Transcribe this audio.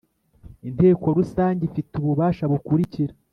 Inteko Rusange ifite ububasha bukurikira